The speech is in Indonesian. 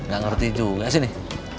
gak ngerti juga sih